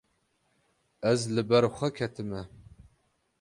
Ez li ber xwe ketime.